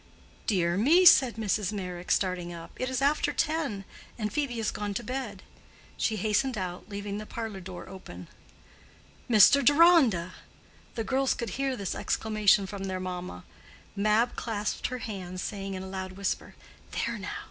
"Dear me!" said Mrs. Meyrick, starting up, "it is after ten, and Phœbe is gone to bed." She hastened out, leaving the parlor door open. "Mr. Deronda!" The girls could hear this exclamation from their mamma. Mab clasped her hands, saying in a loud whisper, "There now!